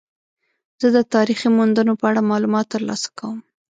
زه د تاریخي موندنو په اړه معلومات ترلاسه کوم.